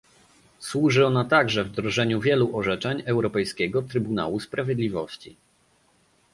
Służy ona także wdrożeniu wielu orzeczeń Europejskiego Trybunału Sprawiedliwości